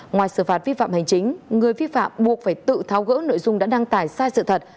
ngoài xử phạt vi phạm hành chính người vi phạm buộc phải tự tháo gỡ nội dung đã đăng tải sai sự thật